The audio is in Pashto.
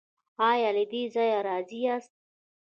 ایا له دې ځای راضي یاست؟